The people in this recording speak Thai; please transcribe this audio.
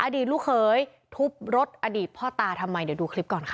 ลูกเขยทุบรถอดีตพ่อตาทำไมเดี๋ยวดูคลิปก่อนค่ะ